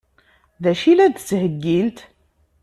D acu i la d-ttheggint?